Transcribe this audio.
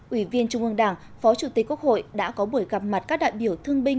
ủy viên trung ương đảng phó chủ tịch quốc hội đã có buổi gặp mặt các đại biểu thương binh